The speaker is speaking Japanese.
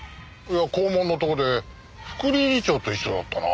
校門のとこで副理事長と一緒だったな。